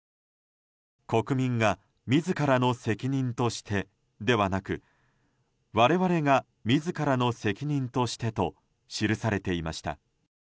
国民が自らの責任としてではなく我々が自らの責任としてと記されていました。